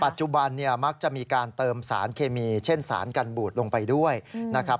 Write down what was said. ปัจจุบันเนี่ยมักจะมีการเติมสารเคมีเช่นสารกันบูดลงไปด้วยนะครับ